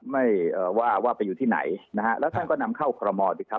ไม่ว่าว่าไปอยู่ที่ไหนนะฮะแล้วท่านก็นำเข้าคอรมอลสิครับ